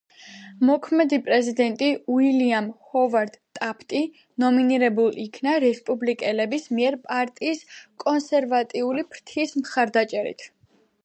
მოქმედი პრეზიდენტი უილიამ ჰოვარდ ტაფტი ნომინირებულ იქნა რესპუბლიკელების მიერ პარტიის კონსერვატიული ფრთის მხარდაჭერით.